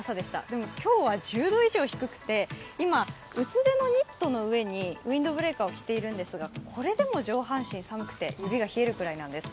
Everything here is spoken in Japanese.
でも、今日は１０度以上低くて、今、薄手のニットの上にウインドブレーカーを着ているんですがこれでも上半身、寒くて腕が冷えるくらいなんです。